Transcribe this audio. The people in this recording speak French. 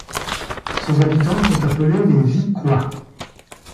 Ses habitants sont appelés les Vicquois.